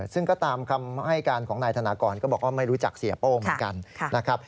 ซึ่งก็ตามคำให้การของนายธนากรก็บอกว่าไม่รู้จักเสียโป้เหมือนกันนะครับ